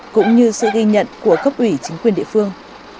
cũng như sự ghi nhận của cấp ủy chính quyền địa phương